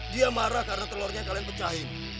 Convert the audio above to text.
dia marah karena telurnya kalian pecahin